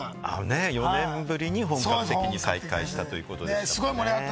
４年ぶりに本格的に再開したということでね。